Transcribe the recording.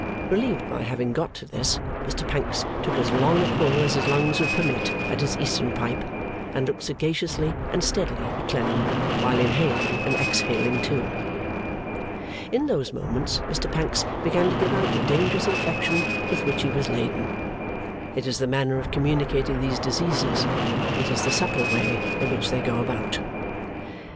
Relieved by having got to this, Mr Pancks took as long a pull as his lungs would permit at his Eastern pipe, and looked sagaciously and steadily at Clennam while inhaling and exhaling too. In those moments, Mr Pancks began to give out the dangerous infection with which he was laden. It is the manner of communicating these diseases; it is the subtle way in which they go about.